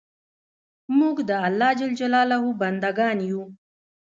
موږ د الله ج بندګان یو